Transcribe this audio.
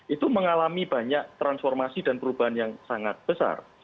itu mengalami banyak transformasi dan perubahan yang sangat besar